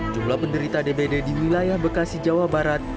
jumlah penderita dbd di wilayah bekasi jawa barat